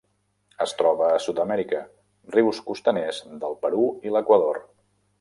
Es troba a Sud-amèrica: rius costaners del Perú i l'Equador.